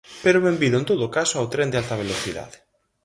Pero benvido en todo caso ao tren de alta velocidade.